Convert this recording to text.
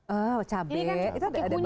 oh cabai itu ada bahan yang enak